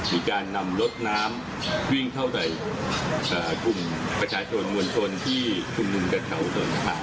มีการนำรถน้ำวิ่งเข้าในบริหารสถานที่ชมพูดที่นำ